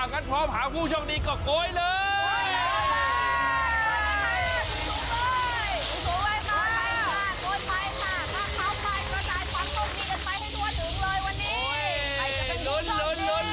ข้าเข้าไปกระจายความโชคดีกันไปให้ตัวถึงเลยวันนี้